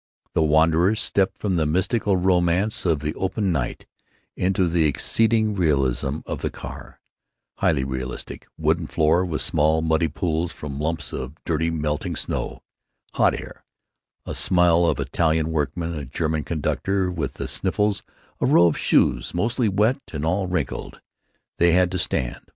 The wanderers stepped from the mystical romance of the open night into the exceeding realism of the car—highly realistic wooden floor with small, muddy pools from lumps of dirty melting snow, hot air, a smell of Italian workmen, a German conductor with the sniffles, a row of shoes mostly wet and all wrinkled. They had to stand.